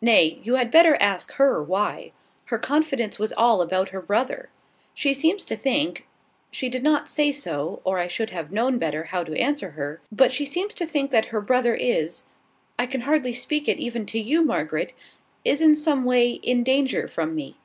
"Nay: you had better ask her why. Her confidence was all about her brother. She seems to think, she did not say so, or I should have known better how to answer her, but she seems to think that her brother is (I can hardly speak it even to you, Margaret!) is in some way in danger from me.